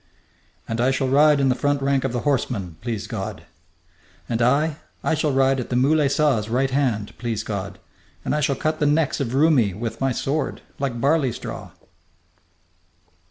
"And I shall ride in the front rank of the horsemen, please God!" "And I, I shall ride at Moulay Saa's right hand, please God, and I shall cut the necks of Roumi with my sword, like barley straw!"